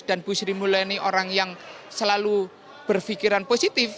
dan bu sri mulyani orang yang selalu berfikiran positif